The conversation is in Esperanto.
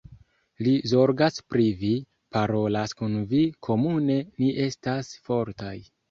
Li zorgas pri vi, parolas kun vi, komune ni estas fortaj.